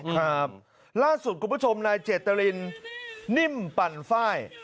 ครับล่าสุดกุประชมนายเจดเตอรินนิ่มปั่นไฟ